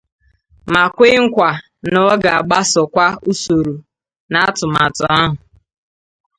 ma kwe nkwa na ọ ga-agbasokwa usoro na atụmatụ ahụ